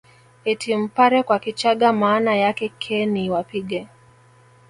Eti mpare kwa Kichaga maana yake ke ni wapige